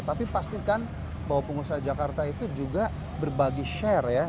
tapi pastikan bahwa pengusaha jakarta itu juga berbagi share ya